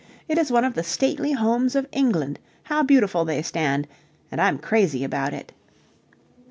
It is one of the stately homes of England; how beautiful they stand, and I'm crazy about it.